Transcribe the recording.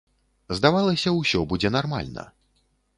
Здавалася, усё будзе нармальна.